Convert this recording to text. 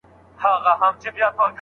مستري په اوږه باندي ګڼ توکي راوړي.